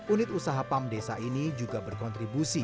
unit usaha pam desa ini juga berkontribusi